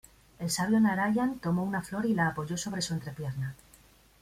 El sabio Naraian tomó una flor y la apoyó sobre su entrepierna.